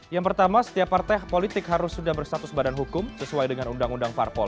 yang pertama setiap partai politik harus sudah berstatus badan hukum sesuai dengan undang undang parpol